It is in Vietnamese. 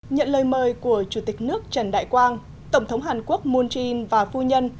nhận lời mời của chủ tịch nước trần đại quang tổng thống hàn quốc moon jae in và phu nhân